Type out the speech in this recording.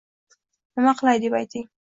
Nima qilay?” deb ayting.